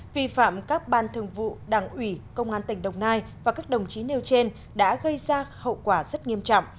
vi phạm các ban thường vụ đảng ủy công an tỉnh đồng nai và các đồng chí nêu trên đã gây ra hậu quả rất nghiêm trọng